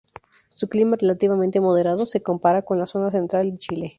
Su clima relativamente moderado se compara con la zona central de Chile.